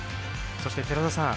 そして寺田さん